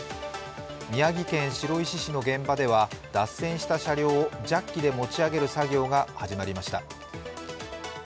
宮城県白石市の現場では、脱線した車両をジャッキで持ち上げる作業が始まりました。